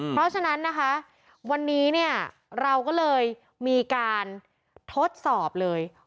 เพราะฉะนั้นนะคะวันนี้เนี่ยเราก็เลยมีการทดสอบเลย